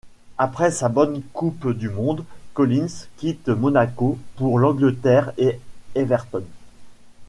Après sa bonne coupe du monde, Collins quitte Monaco pour l'Angleterre et Everton.